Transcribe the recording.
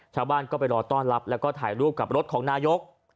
ชาวบ้านก็ไปรอต้อนรับแล้วก็ถ่ายรูปกับรถของนายก